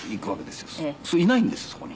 するといないんですそこに。